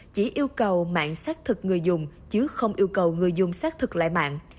chỉ yêu cầu mạng xác thực người dùng chứ không yêu cầu người dùng xác thực lại mạng